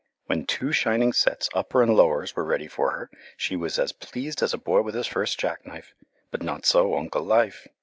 When two shining sets, uppers and lowers, were ready for her, she was as pleased as a boy with his first jack knife; but not so Uncle Life.